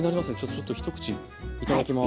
ちょっと一口いただきます。